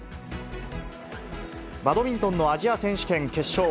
バドミントンのアジア選手権決勝。